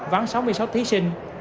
vắng sáu mươi sáu thí sinh